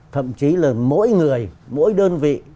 thậm chí là mỗi người mỗi đơn vị